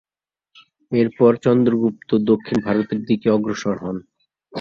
এরপর চন্দ্রগুপ্ত দক্ষিণ ভারতের দিকে অগ্রসর হন।